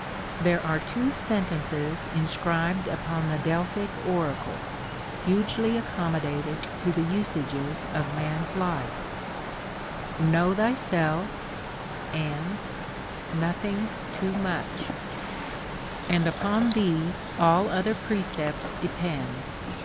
There are two sentences inscribed upon the Delphic oracle, hugely accommodated to the usages of man s life, Know thyself, and Nothing too much ; and upon thesf all other precepts depend.